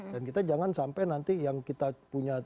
dan kita jangan sampai nanti yang kita punya